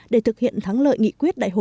để thực hiện thắng lợi nghị quyết đại hội